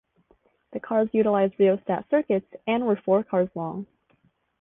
The cars utilized rheostat circuits and were four cars long.